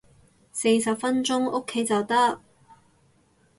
四十分鐘屋企就得